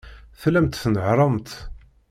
Tellamt tnehhṛemt.